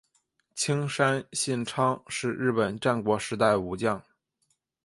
青山信昌是日本战国时代武将。